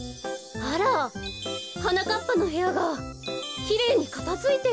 あらはなかっぱのへやがきれいにかたづいてる。